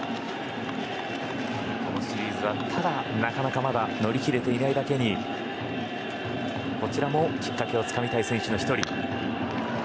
このシリーズはただなかなか乗り切れていないだけにこちらもきっかけをつかみたい選手の１人。